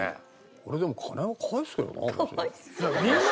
俺でも金は返すけどな。